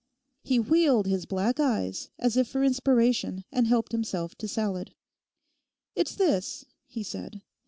He wheeled his black eyes as if for inspiration, and helped himself to salad. 'It's this,' he said.